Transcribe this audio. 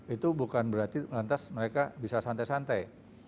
itu bukan berarti lantas mereka bisa santai santai